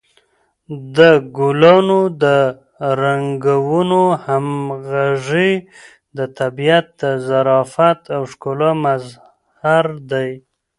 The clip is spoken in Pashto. د ګلانو د رنګونو همغږي د طبیعت د ظرافت او ښکلا مظهر دی.